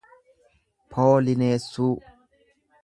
poolineessuu